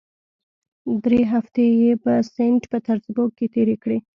درې هفتې یې په سینټ پیټرزبورګ کې تېرې کړې.